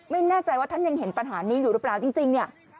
ไม่แน่ใจว่าท่านยังเห็นปัญหานี้อยู่หรือเปล่าจริงเนี่ย